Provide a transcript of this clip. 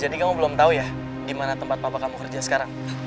jadi kamu belum tahu ya di mana tempat papa kamu kerja sekarang